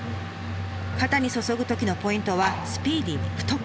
型に注ぐときのポイントはスピーディーに太く。